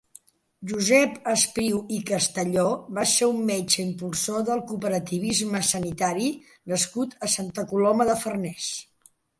Josep Espriu i Castelló va ser un metge impulsor del cooperativisme sanitari nascut a Santa Coloma de Farners.